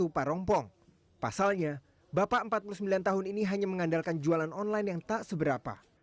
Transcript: parompong pasalnya bapak empat puluh sembilan tahun ini hanya mengandalkan jualan online yang tak seberapa